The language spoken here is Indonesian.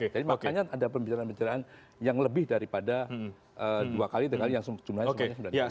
jadi makanya ada pembicaraan bicaraan yang lebih daripada dua kali tiga kali yang jumlahnya sembilan kali